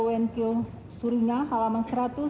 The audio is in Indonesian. wenkil suringa halaman seratus